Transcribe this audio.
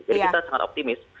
jadi kita sangat optimis